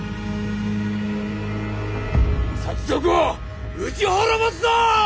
賊を討ち滅ぼすぞ！